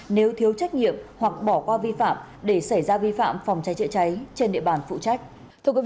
nếu thiếu trách nhiệm hoặc bỏ qua vi phạm để xảy ra vi phạm phòng trái trịa trái trên địa bàn phụ trách